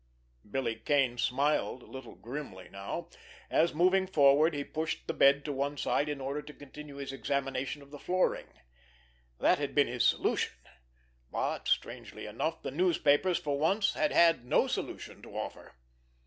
Billy Kane smiled a little grimly now, as, moving forward, he pushed the bed to one side in order to continue his examination of the flooring. That had been his solution; but, strangely enough, the newspapers for once had had no solution to offer.